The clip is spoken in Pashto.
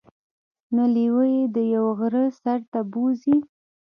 نو لیوه يې د یوه غره سر ته بوځي.